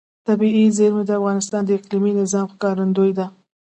طبیعي زیرمې د افغانستان د اقلیمي نظام ښکارندوی ده.